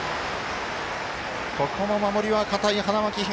ここも守りは堅い花巻東。